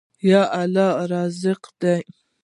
آیا الله رزاق دی؟